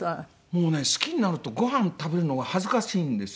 もうね好きになるとごはん食べるのが恥ずかしいんですよ。